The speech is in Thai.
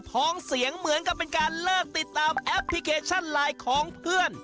พองเสียงเหมือนกับเป็นการเลิกติดตามแอปพลิเคชันไลน์ของเพื่อน